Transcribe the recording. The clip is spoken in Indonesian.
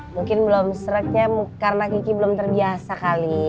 mungkin belum seriknya karena ki ki belum terbiasa kali